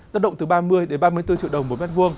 giá động từ ba mươi ba mươi bốn triệu đồng một m hai